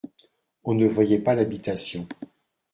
On ne voyait pas l'habitation.